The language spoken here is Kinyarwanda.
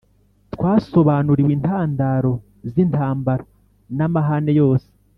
Twasobanuriwe intandaro z’intambara n’amahane yose.